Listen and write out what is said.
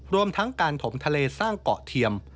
รวมทั้งการถมทะเลสร้างเกาะเทียม